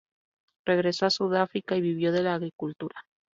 Regresó a Sudáfrica y vivió de la agricultura.